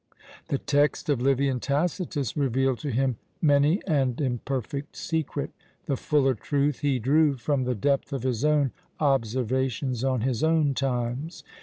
The text of Livy and Tacitus revealed to him many an imperfect secret the fuller truth he drew from the depth of his own observations on his own times.